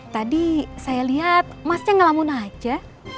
tadi saya lihat masnya ngelamun aja